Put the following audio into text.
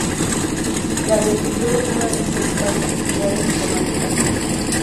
La agricultura es una de las principales actividades económicas.